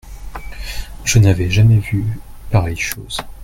Je n'avais jamais vu pareille chose.